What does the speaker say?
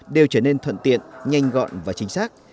đều trở nên thuận tiện nhanh gọn và chính xác